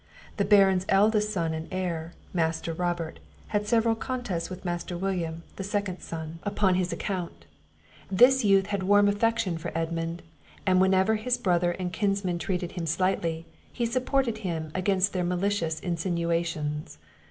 The Baron's eldest son and heir, Master Robert, had several contests with Master William, the second son, upon his account: This youth had a warm affection for Edmund, and whenever his brother and kinsmen treated him slightly, he supported him against their malicious insinuations.